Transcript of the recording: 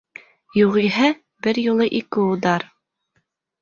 Юғиһә, бер юлы ике удар.